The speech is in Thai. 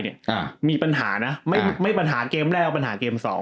อ่ามีปัญหานะไม่ไม่ปัญหาเกมแรกปัญหาเกมสอง